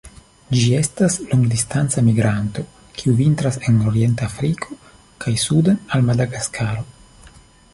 Ĝi estas longdistanca migranto, kiu vintras en orienta Afriko kaj suden al Madagaskaro.